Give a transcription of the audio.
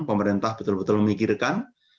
pemerintah betul betul memikirkan